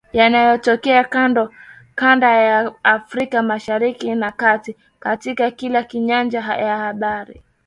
na yanayotokea kanda ya Afrika Mashariki na Kati, katika kila nyanja ya habari